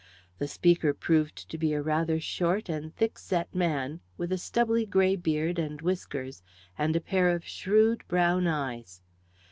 The speaker proved to be a rather short and thick set man, with a stubbly grey beard and whiskers, and a pair of shrewd, brown eyes.